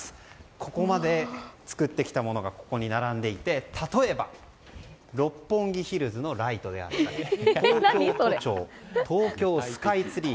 ここまで作ってきたものがここに並んでいて例えば六本木ヒルズのライトであったり東京都庁、東京スカイツリー